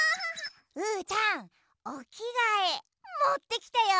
うーたんおきがえもってきたよ！